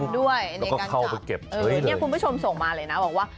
แล้วก็เข้าไปเก็บเฉยเลยคุณผู้ชมส่งมาเลยนะบอกว่า